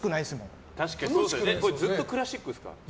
ずっとクラシックですか？